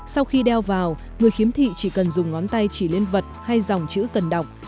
sau khi đeo vào người khiếm thị chỉ cần dùng ngón tay chỉ lên vật hay dòng chữ cần đọc